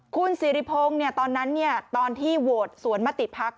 คุณสิริพงศ์ตอนนั้นตอนที่โหวตสวนมติพัก